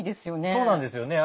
そうなんですよね。